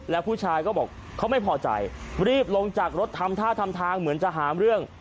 แล้วผู้ชายก็บอกเขาไม่พอใจรีบลงจากรถทำท่าทำทางเหมือนจะหาเรื่อง